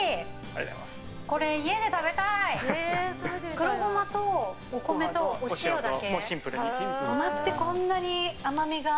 黒ゴマとお米とお塩だけ？